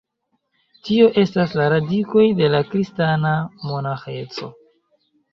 Tio estas la radikoj de la kristana monaĥeco.